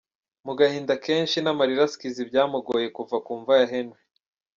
Mu gahinda kenshi n'amarira Skizzy byamugoye kuva ku mva ya Henry.